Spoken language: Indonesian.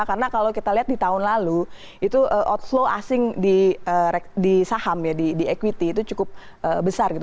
karena kalau kita lihat di tahun lalu itu outflow asing di saham ya di equity itu cukup besar gitu